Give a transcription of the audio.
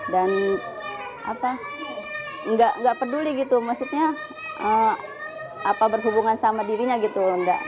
dan nggak peduli gitu maksudnya apa berhubungan sama dirinya gitu